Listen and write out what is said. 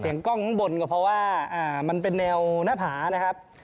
กล้องข้างบนก็เพราะว่ามันเป็นแนวหน้าผานะครับ